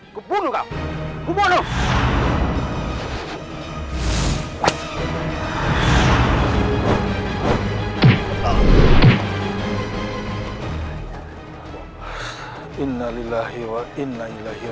aku bunuh kau aku bunuh